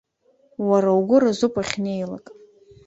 Уара угәы разуп уахьнеилак.